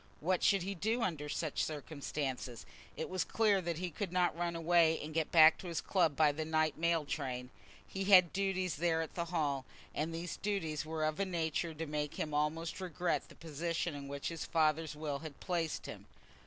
What should he do under such circumstances? It was clear that he could not run away and get back to his club by the night mail train. He had duties there at the Hall, and these duties were of a nature to make him almost regret the position in which his father's will had placed him.